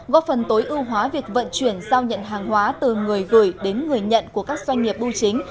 góp phần tối ưu hóa việc vận chuyển giao nhận hàng hóa từ người gửi đến người nhận của các doanh nghiệp bưu chính